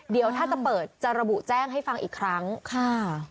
เดี๋ยวถ้าจะเปิดจะระบุแจ้งให้ฟังอีกครั้งค่ะ